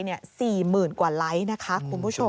๔๐๐๐กว่าไลค์นะคะคุณผู้ชม